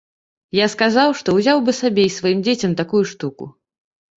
Я сказаў, што ўзяў бы сабе і сваім дзецям такую штуку.